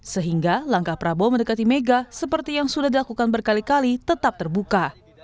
sehingga langkah prabowo mendekati mega seperti yang sudah dilakukan berkali kali tetap terbuka